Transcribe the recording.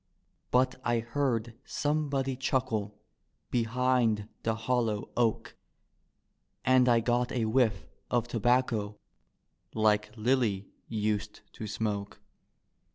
But I heard somebody chuckle behind the hollow oak And I got a whifE of tobacco like Lilly used to smoke.